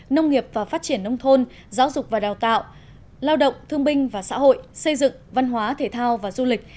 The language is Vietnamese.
nông nghiệp và phát triển nông thôn giáo dục và đào tạo lao động thương binh và xã hội xây dựng văn hóa thể thao và du lịch